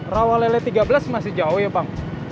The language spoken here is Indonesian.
rawa lele tiga belas masih jauh ya bang